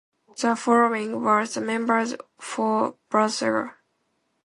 The following were the members for Berthier.